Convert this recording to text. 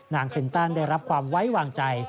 คินตันได้รับความไว้วางใจ